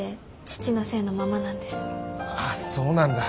ああそうなんだ。